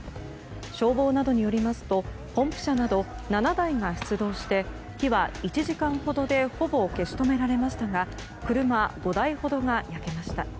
消防などによりますとポンプ車など７台が出動して火は１時間ほどでほぼ消し止められましたが車５台ほどが焼けました。